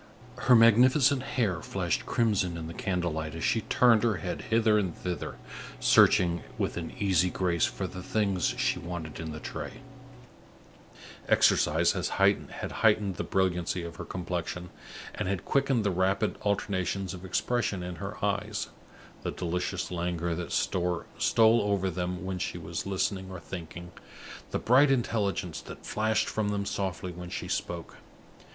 Her magnificent hair flashed crimson in the candle light, as she turned her head hither and thither, searching with an easy grace for the things she wanted in the tray. Exercise had heightened the brilliancy of her complexion, and had quickened the rapid alternations of expression in her eyes the delicious languor that stole over them when she was listening or thinking, the bright intelligence that flashed from them softly when she spoke.